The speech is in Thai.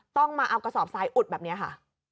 ต้องมาเอากระสอบทรายอุดแบบนี้ค่ะ